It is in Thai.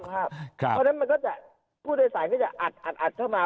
เพราะฉะนั้นมันก็จะผู้โดยสารก็จะอัดเข้ามา